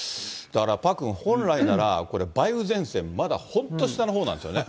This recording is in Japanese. だから、パックン、本来なら、これ、梅雨前線、まだ本当、下のほうなんですよね。